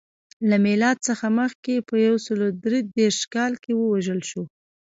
له میلاد څخه مخکې په یو سل درې دېرش کال کې ووژل شو.